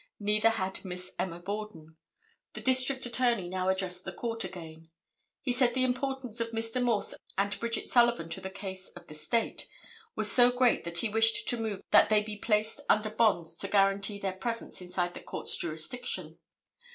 Neither had Miss Emma Borden. The District Attorney now addressed the Court again. He said the importance of Mr. Morse and Bridget Sullivan to the case of the State was so great that he wished to move that they be placed under bonds to guarantee their presence inside the Court's jurisdiction.